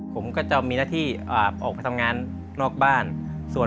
ผมก็จะมีหน้าที่ออกไปทำงานนอกบ้าน